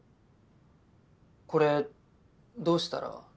これどうしたら？